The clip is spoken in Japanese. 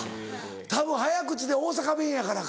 たぶん早口で大阪弁やからか。